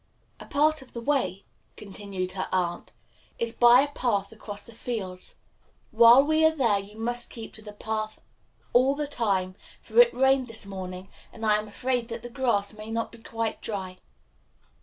"A part of the way," continued her aunt, "is by a path across the fields. While we are there you must keep in the path all the time, for it rained a little this morning, and I am afraid that the grass may not be quite dry."